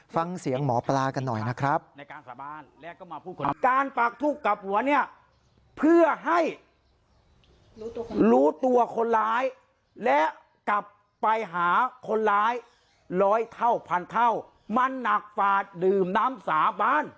ฟังเสียงหมอปลากันหน่อยนะครับ